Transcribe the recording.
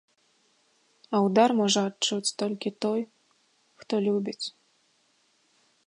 А ўдар можа адчуць толькі той, хто любіць.